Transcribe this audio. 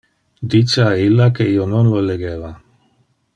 Dice a illa que io non lo legeva.